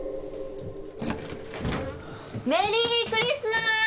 メリークリスマス！